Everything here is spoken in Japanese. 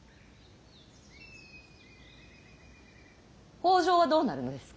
北条はどうなるのですか。